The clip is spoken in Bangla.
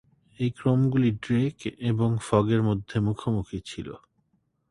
এই ক্রমগুলি ড্রেক এবং ফগের মধ্যে মুখোমুখি ছিল।